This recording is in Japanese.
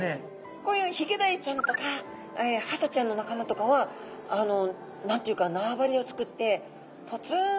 こういうヒゲダイちゃんとかハタちゃんの仲間とかは何て言うか縄張りをつくってふん。